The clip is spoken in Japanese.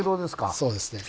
そうですね。